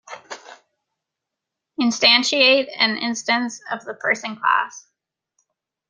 Instantiate an instance of the Person class.